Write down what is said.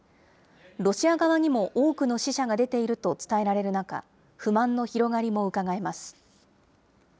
ロシア側にも多くの死者が出ていると伝えられる中、不満の広がりもうかがえます。